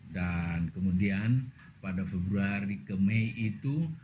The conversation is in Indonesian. dan kemudian pada februari ke mei itu